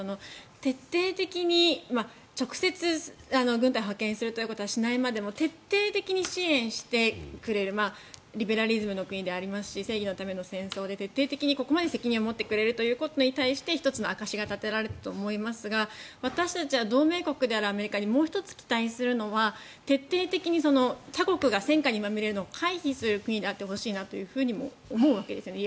徹底的に直接、軍隊を派遣するということはしないまでも徹底的に支援してくれるリベラリズムの国でありますし正義のための戦争で徹底的にここまで責任を持ってくれるということの１つの証しが立てられたと思いますが私たちは同盟国であるアメリカにもう１つ期待するのは徹底的に他国が戦火にまみれるのを回避する国であってほしいなと思うわけですよね。